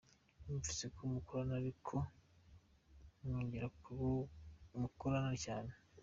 Numvise ko mukorana ariko mwongere mukorane cyane.